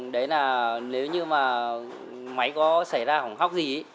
đấy là nếu như mà máy có xảy ra hỏng hóc gì